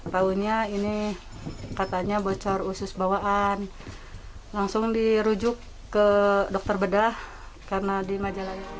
tahunya ini katanya bocor usus bawaan langsung dirujuk ke dokter bedah karena di majalah